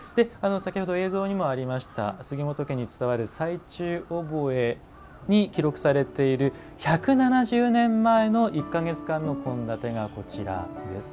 先ほど映像にもありました杉本家に伝わる「歳中覚」に記録されている１７０年前の１か月間の献立がこちらです。